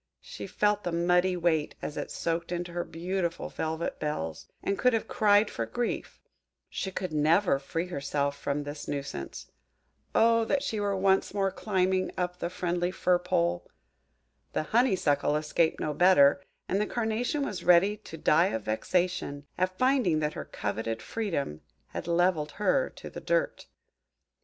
She felt the muddy weight as it soaked into her beautiful velvet bells, and could have cried for grief: she could never free herself from this nuisance. O that she were once more climbing up the friendly fir pole! The Honeysuckle escaped no better; and the Carnation was ready to die of vexation, at finding that her coveted freedom had levelled her to the dirt.